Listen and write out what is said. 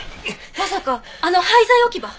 まさかあの廃材置き場！？